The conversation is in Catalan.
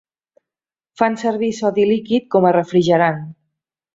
Fan servir sodi líquid com a refrigerant.